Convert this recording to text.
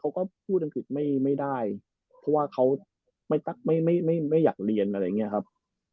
เขาก็พูดอังกฤษไม่ได้เพราะว่าเขาไม่อยากเรียนอะไรอย่างนี้ครับ